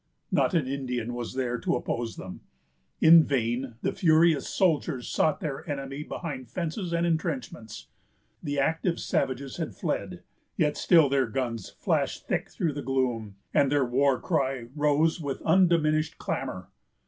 Not an Indian was there to oppose them. In vain the furious soldiers sought their enemy behind fences and intrenchments. The active savages had fled; yet still their guns flashed thick through the gloom, and their war cry rose with undiminished clamor.